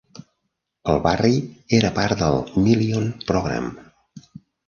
El barri era part del Million Programme.